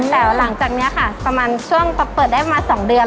แต่ว่าหลังจากเนี้ยค่ะประมาณช่วงต่อเปิดได้มาสองเดือน